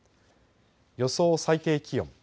予想最低気温。